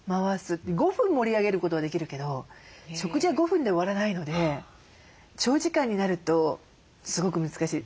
５分盛り上げることはできるけど食事は５分で終わらないので長時間になるとすごく難しい。